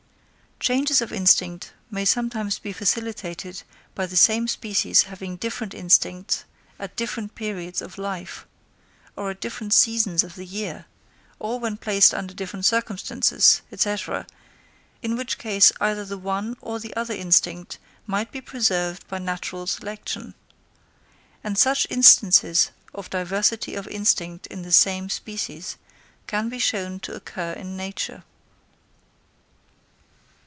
Changes of instinct may sometimes be facilitated by the same species having different instincts at different periods of life, or at different seasons of the year, or when placed under different circumstances, &c. in which case either the one or the other instinct might be preserved by natural selection. And such instances of diversity of instinct in the same species can be shown to occur in nature.